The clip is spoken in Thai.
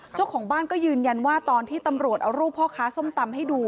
เจ้าของบ้านก็ยืนยันว่าตอนที่ตำรวจเอารูปพ่อค้าส้มตำให้ดู